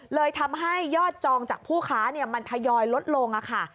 เลยทำให้ยอดจองจากผู้ค้ามันทยอยลดลงค่ะ